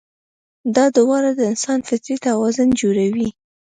دا دواړه د انسان فطري توازن جوړوي.